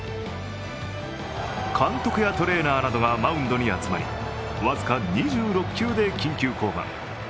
監督やトレーナーなどがマウンドに集まり、僅か２６球で緊急降板。